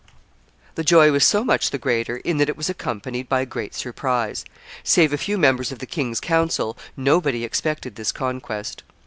The joy was so much the greater in that it was accompanied by great surprise: save a few members of the king's council, nobody expected this conquest.